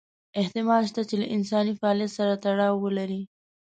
احتمال شته چې له انساني فعالیت سره تړاو ولري.